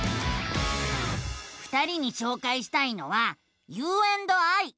２人にしょうかいしたいのは「ｕ＆ｉ」。